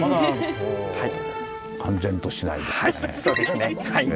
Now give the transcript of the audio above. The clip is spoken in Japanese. はいそうですね。